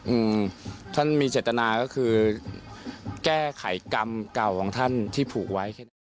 อืมท่านมีเจตนาก็คือแก้ไขกรรมเก่าของท่านที่ผูกไว้